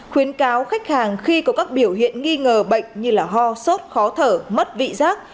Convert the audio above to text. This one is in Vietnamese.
khuyến cáo khách hàng khi có các biểu hiện nghi ngờ bệnh như ho sốt khó thở mất vị giác